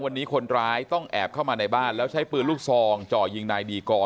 วันนี้คนร้ายต้องแอบเข้ามาในบ้านแล้วใช้ปืนลูกซองจ่อยิงนายดีกร